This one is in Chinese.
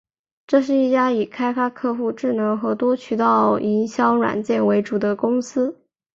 这是一家以开发客户智能和多渠道营销软件为主的公司。